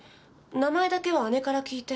名前だけは姉から聞いて。